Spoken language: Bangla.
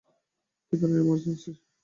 কী ধরণের ইমার্জেন্সি?